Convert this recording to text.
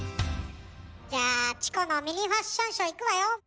じゃあチコのミニファッションショーいくわよ。